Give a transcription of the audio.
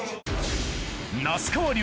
那須川龍